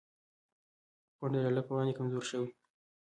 پونډ د ډالر په وړاندې کمزوری شو؛